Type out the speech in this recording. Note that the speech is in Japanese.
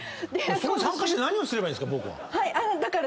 そこに参加して何をすればいいんですか？